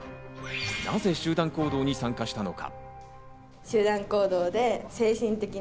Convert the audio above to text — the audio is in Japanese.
なぜ集団行動に参加したのか？